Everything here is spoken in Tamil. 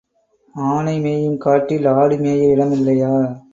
ஆனை மேயும் காட்டில் ஆடு மேய இடம் இல்லையா?